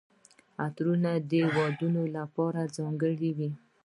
عطرونه د ودونو لپاره ځانګړي وي.